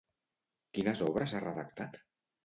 Quines obres ha redactat?